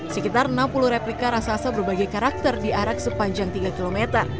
sekitar enam puluh replika raksasa berbagai karakter diarak sepanjang tiga km